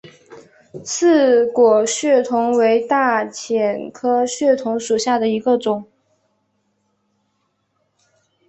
刺果血桐为大戟科血桐属下的一个种。